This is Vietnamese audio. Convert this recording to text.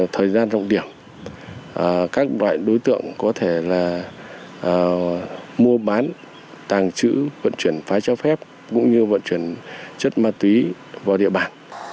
trong thời gian rộng điểm các loại đối tượng có thể là mua bán tàng trữ vận chuyển phái trao phép cũng như vận chuyển chất ma túy vào địa bàn